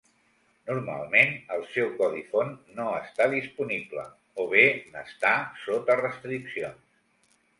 Normalment, el seu codi font no està disponible, o bé n'està sota restriccions.